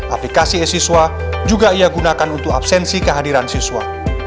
aplikasi e siswa juga ia gunakan untuk absensi kehadiran siswa